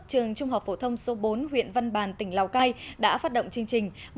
trường trung học phổ thông số bốn huyện văn bàn tỉnh lào cai đã phát động chương trình